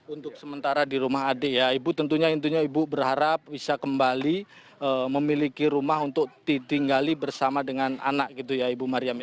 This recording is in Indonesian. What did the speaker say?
untuk sementara di rumah adik ya ibu tentunya intinya ibu berharap bisa kembali memiliki rumah untuk ditinggali bersama dengan anak gitu ya ibu mariam ya